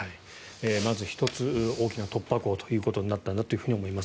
まず１つ、大きな突破口になったんだと思います。